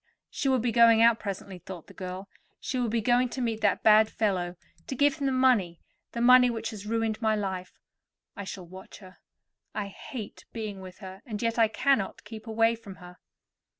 "She will be going out presently," thought the girl. "She will be going to meet that bad fellow, to give him the money—the money which has ruined my life. I shall watch her. I hate being with her, and yet I cannot keep away from her."